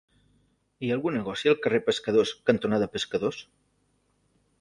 Hi ha algun negoci al carrer Pescadors cantonada Pescadors?